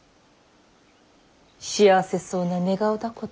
幸せそうな寝顔だこと。